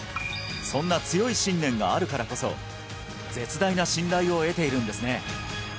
そんな強い信念があるからこそ絶大な信頼を得ているんですね